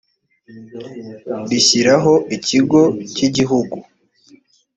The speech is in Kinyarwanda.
rishyiraho ikigo cy igihugu